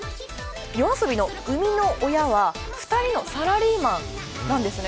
ＹＯＡＳＯＢＩの生みの親は２人のサラリーマンなんですね。